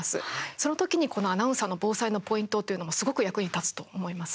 その時に、このアナウンサーの防災のポイントというのがすごく役に立つと思います。